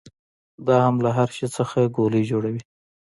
دا هم له هر شي څخه ګولۍ جوړوي.